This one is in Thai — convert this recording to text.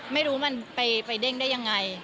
ไม่รู้มันไปเด้งได้ยังไง